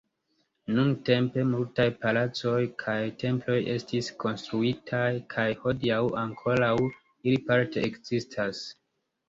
Nuntempe multaj palacoj kaj temploj estis konstruitaj, kaj hodiaŭ ankoraŭ ili parte ekzistas.